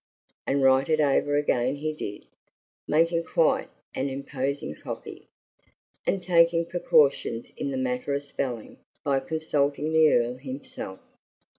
And write it over again he did, making quite an imposing copy, and taking precautions in the matter of spelling by consulting the Earl himself.